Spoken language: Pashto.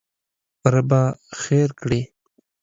ربه خېر کړې!